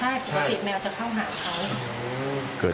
อ๋อแมวต้องเป็นเจ้าของเลยนะ